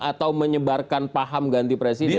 atau menyebarkan paham ganti presiden